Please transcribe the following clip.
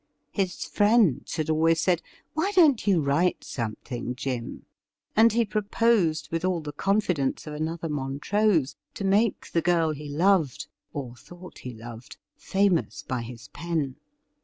His friends had always said :' Why don't you write something, Jim .'"' And he proposed with all the confidence of another Mont rose to make the girl he loved — or thought he loved — famous by his pen.